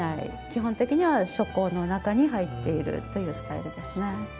基本的には書庫の中に入っているというスタイルですね。